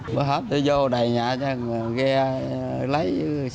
mới hết tôi vô đầy nhà cho ghe lái